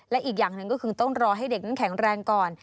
และอีกอย่างหนึ่งก็คือต้องรอให้เด็กนั้นแข็งแรงก่อน